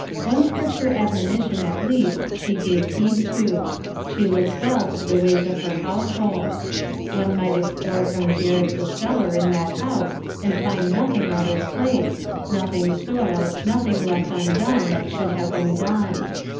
One Scripture admonition at least she gave heed to: she looked well to the ways of her household. One might explore from garret to cellar in that house and find nothing out of place, nothing soiled, nothing left undone that should have been done.